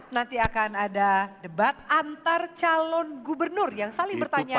nanti akan ada debat antar calon gubernur yang saling bertanya